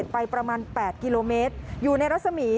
ไปประมาณ๘กิโลเมตรอยู่ในรัศมี